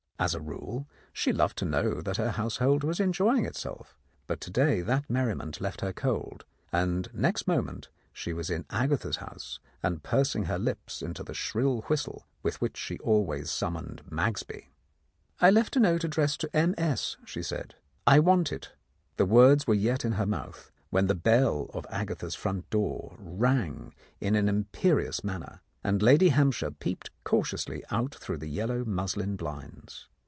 As a rule, she loved to know that her household was enjoying itself, but to day that merriment left her cold, and next moment she was in Agatha's house and pursing her lips into the shrill whistle with which she always summoned Magsby. "I left a note addressed to M. S.," she said; "I want it." The words were yet in her mouth, when the bell of Agatha's front door rang in an imperious manner, and Lady Hampshire peeped cautiously out through the yellow muslin blinds.